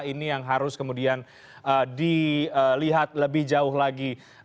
ini yang harus kemudian dilihat lebih jauh lagi